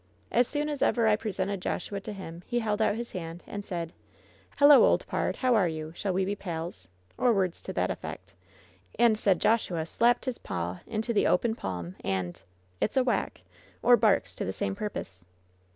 As soon as ever I presented Joshua to him he held out his hand, and said :" ^Hello, old pard ! how are you ? Shall we be pals V or words to that effect. And said Joshua slapped his paw into the open palm, and —" It's a whack !' or barks to the same purpose."